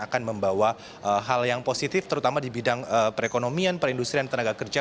akan membawa hal yang positif terutama di bidang perekonomian perindustrian tenaga kerja